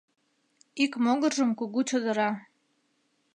Ик могыржым кугу чодыра.